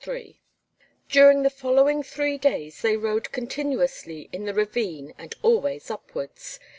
III During the following three days they rode continuously in the ravine and always upwards.